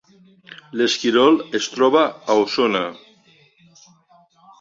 L’Esquirol es troba a Osona